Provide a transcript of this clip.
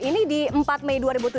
ini di empat mei dua ribu tujuh belas